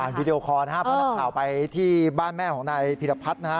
ผ่านวีดีโอคอลนะครับพอนักข่าวไปที่บ้านแม่ของนายพิรพัฒน์